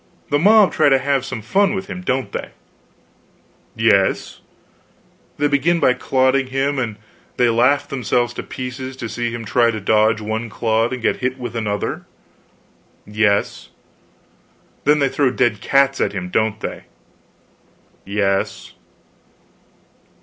The mob try to have some fun with him, don't they?" "Yes." "They begin by clodding him; and they laugh themselves to pieces to see him try to dodge one clod and get hit with another?" "Yes." "Then they throw dead cats at him, don't they?" "Yes."